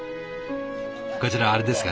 こちらあれですかね？